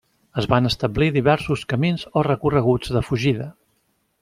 Es van establir diversos camins o recorreguts de fugida.